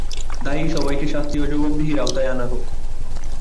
দায়ী সবাইকে শাস্তি ও জবাবদিহির আওতায় আনা হোক।